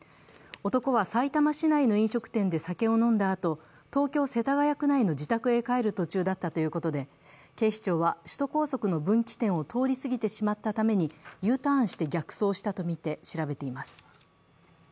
男はさいたま市内の飲食店で酒を飲んだあと東京・世田谷区内の自宅へ帰る途中だったということで、警視庁は、首都高速の分岐点を通り過ぎてしまったためにＵターンして逆走したとみて調べています。